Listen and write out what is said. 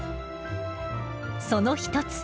その一つ